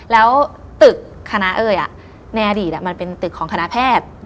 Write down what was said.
แล้วตึกคณะเอ้ยในอดีตมันเป็นตึกของคณะแพทย์